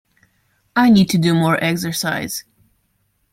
I need to do more exercise.